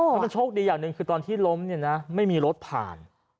มันก็โชคดีอย่างหนึ่งคือตอนที่ล้มเนี่ยนะไม่มีรถผ่าน